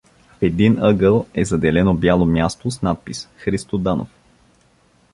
В един ъгъл е заделено бяло място с надпис: Христо Данов.